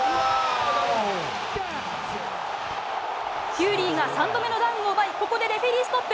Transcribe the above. フューリーが３度目のダウンを奪いここでレフェリーストップ。